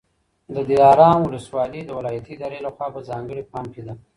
د دلارام ولسوالي د ولایتي ادارې لخوا په ځانګړي پام کي ده.